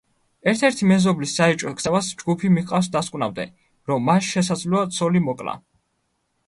ერთ-ერთი მეზობლის საეჭვო ქცევას ჯეფი მიჰყავს დასკვნამდე, რომ მან შესაძლოა ცოლი მოკლა.